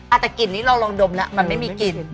อาจจะกลิ่นนี้เราลองดมแล้วมันไม่มีกลิ่น